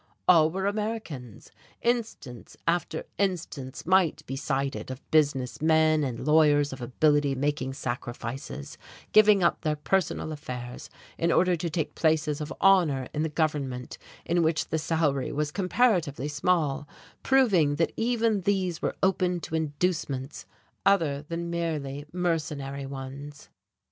All were Americans. Instance after instance might be cited of business men and lawyers of ability making sacrifices, giving up their personal affairs in order to take places of honour in the government in which the salary was comparatively small, proving that even these were open to inducements other than merely mercenary ones.